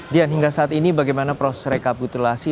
dian hingga saat ini bagaimana proses rekapitulasi